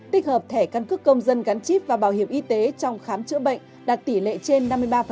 tích hợp thẻ căn cước công dân gắn chip và bảo hiểm y tế trong khám chữa bệnh đạt tỷ lệ trên năm mươi ba